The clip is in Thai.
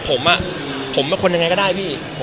ผมผมเป็นคนยังไงก็ได้พี่